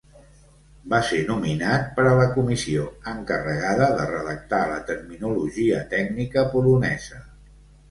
Va ser nominat per a la comissió encarregada de redactar la terminologia tècnica polonesa.